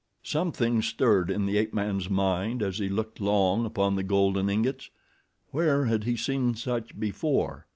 Something stirred in the ape man's mind as he looked long upon the golden ingots. Where had he seen such before?